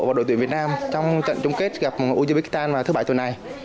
và đội tuyển việt nam trong trận chung kết gặp uzbiktal vào thứ bảy tuần này